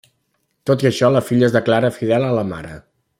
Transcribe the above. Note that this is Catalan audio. Tot i això la filla es declara fidel a la mare.